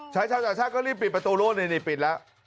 ชายชาวต่างชาติก็รีบปิดประตูนู้นนี่ปิดแล้ว